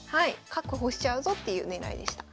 確保しちゃうぞっていう狙いでした。